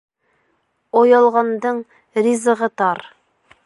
Оялғандың ризығы тар.